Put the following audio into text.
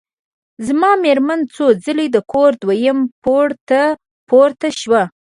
زما مېرمن څو ځلي د کور دویم پوړ ته پورته شوه.